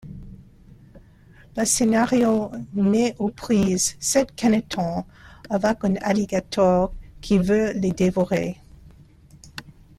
Le scénario met aux prises sept canetons avec un alligator qui veut les dévorer.